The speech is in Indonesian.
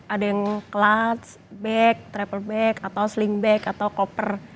ada yang clutch bag triple bag atau sling bag atau copper